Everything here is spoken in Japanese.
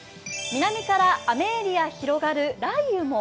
南から雨エリア広がる、雷雨も。